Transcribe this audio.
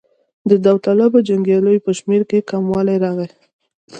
د داوطلبو جنګیالیو په شمېر کې کموالی راغی.